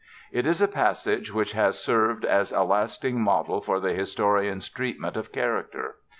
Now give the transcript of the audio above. It is a passage which has served as a lasting model for the historian's treatment of character.